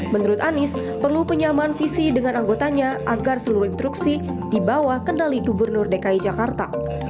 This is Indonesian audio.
menurut anies perlu penyamaan visi dengan anggotanya agar seluruh instruksi dibawa kendali gubernur dki jakarta